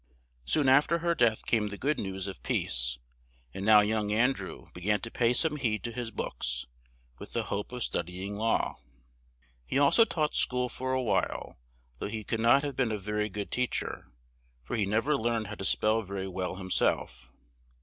Soon af ter her death came the good news of peace; and now young An drew be gan to pay some heed to his books, with the hope of stud y ing law. He al so taught school for a while, though he could not have been a ver y good teach er, for he nev er learned how to spell ver y well him self.